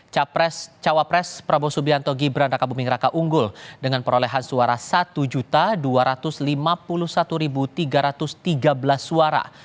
capres cawapres prabowo subianto gibran raka buming raka unggul dengan perolehan suara satu dua ratus lima puluh satu tiga ratus tiga belas suara